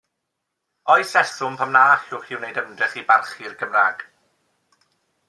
Oes rheswm pam na allwch chi wneud ymdrech i barchu'r Gymraeg?